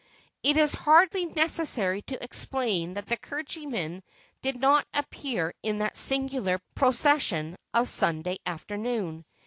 It is hardly necessary to explain that the clergyman did not appear in that singular procession of Sunday afternoon.